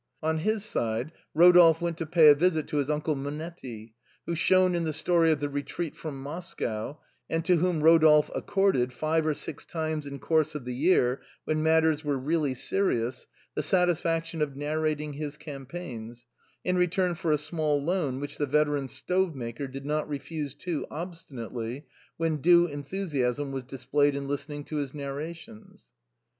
On his side, Eodolphe went to pay a visit to his Uncle Monctti, who shone in the story of the Eetreat from Moscow, and to whom Eodolphe accorded five or six times in course of the year, when matters were really serious, the satisfaction of narrating his campaigns, in return for a small loan which the veteran stove maker did not refuse too obstinately when due enthusiasm was displayed in listening to his narrations.